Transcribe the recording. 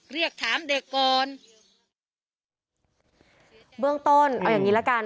เรียกถามเด็กก่อนเบื้องต้นเอาอย่างงี้ละกัน